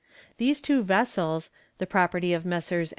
These two vessels, the property of Messrs.